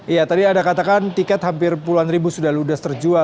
iya tadi anda katakan tiket hampir puluhan ribu sudah ludes terjual